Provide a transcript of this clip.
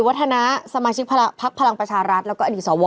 วัฒนะสมาชิกพักพลังประชารัฐแล้วก็อดีตสว